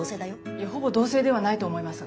いやほぼ同棲ではないと思いますが。